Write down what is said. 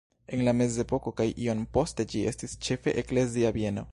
En la mezepoko kaj iom poste ĝi estis ĉefe eklezia bieno.